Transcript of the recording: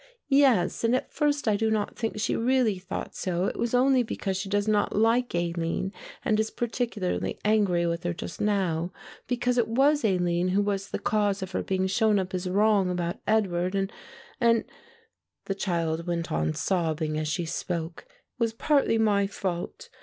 "Yes, and at first I do not think she really thought so; it was only because she does not like Aline and is particularly angry with her just now, because it was Aline who was the cause of her being shown up as wrong about Edward; and and," the child went on sobbing as she spoke, "it was partly my fault.